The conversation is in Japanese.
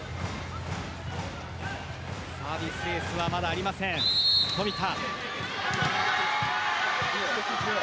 サービスエースはまだありません、富田。